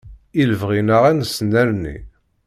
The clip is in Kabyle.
I lebɣi-nneɣ ad nessnerni.